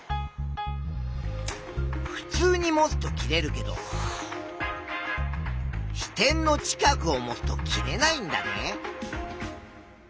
ふつうに持つと切れるけど支点の近くを持つと切れないんだね。